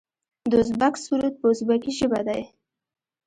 د ازبک سرود په ازبکي ژبه دی.